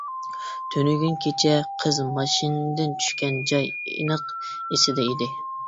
تۈنۈگۈن كېچە قىز ماشىنىدىن چۈشكەن جاي ئېنىق ئېسىدە ئىدى.